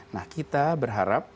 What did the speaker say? nah kita berharap